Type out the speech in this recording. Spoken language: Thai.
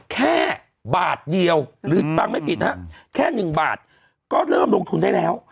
แค่บาทเดียวหรือฟังไม่ผิดนะฮะแค่๑บาทก็เริ่มลงทุนได้แล้ว